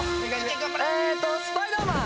えーっとスパイダーマン！